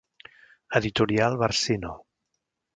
Editorial Barcino.